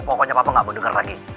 pokoknya papa nggak mau denger lagi